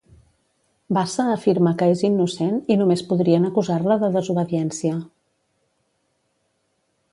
Bassa afirma que és innocent i només podrien acusar-la de desobediència.